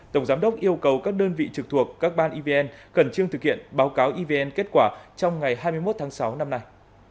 tổng giám đốc yêu cầu các đơn vị trực thuộc các ban evn khẩn trương thực hiện báo cáo evn kết quả trong ngày hai mươi một tháng sáu năm nay